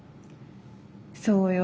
そうよ。